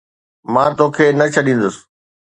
مان توکي نه ڇڏيندس